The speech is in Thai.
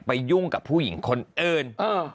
ยุ่งกับผู้หญิงคนอื่น